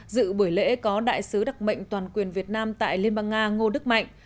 dự buổi lễ có đại sứ đặc mệnh toàn quyền việt nam tại liên bang nga ngô đức mạnh